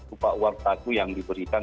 upah uang saku yang diberikan